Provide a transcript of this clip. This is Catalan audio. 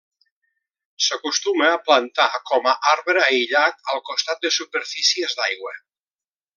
S'acostuma a plantar com a arbre aïllat al costat de superfícies d'aigua.